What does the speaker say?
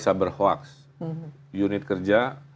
saberhoax unit kerja